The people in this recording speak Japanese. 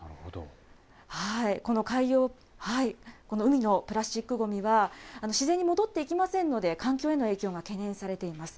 この海のプラスチックごみは、自然に戻っていきませんので、環境への影響が懸念されています。